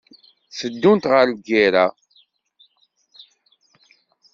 Teddunt ɣer lgirra.